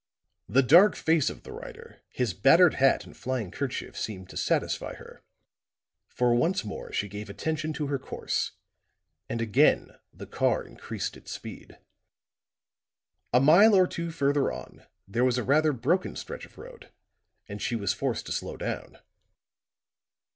The dark face of the rider, his battered hat and flying 'kerchief seemed to satisfy her; for once more she gave attention to her course, and again the car increased its speed. A mile or two further on there was a rather broken stretch of road and she was forced to slow down.